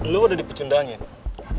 lu udah dipecundangin